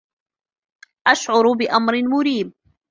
أشعر بأمر مريب.